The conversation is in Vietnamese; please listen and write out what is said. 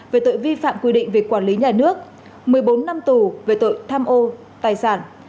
về tội vi phạm quy định về quản lý nhà nước một mươi bốn năm tù về tội tham ô tài sản